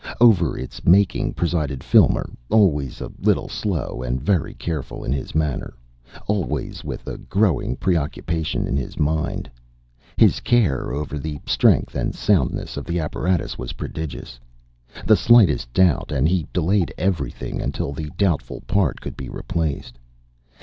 Over its making presided Filmer, always a little slow and very careful in his manner, always with a growing preoccupation in his mind. His care over the strength and soundness of the apparatus was prodigious. The slightest doubt, and he delayed everything until the doubtful part could be replaced.